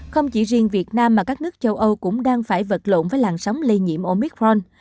không chỉ riêng việt nam mà các nước châu âu cũng đang phải vật lộn với làn sóng lây nhiễm omicron